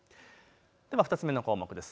２つ目の項目です。